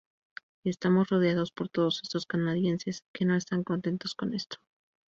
Y estamos rodeados por todos estos canadienses que no están contentos con esto.